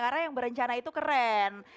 karena yang berencana itu keren